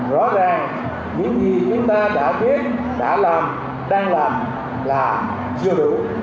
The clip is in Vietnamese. rõ ràng những gì chúng ta đã biết đã làm đang làm là chưa đủ